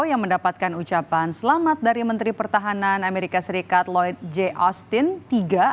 yang mendapatkan ucapan selamat dari menteri pertahanan amerika serikat loid jay austin tiga